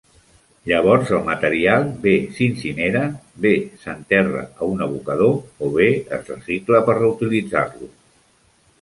Llavors el material bé s'incinera, bé s'enterra a un abocador o bé es recicla per reutilitzar-lo.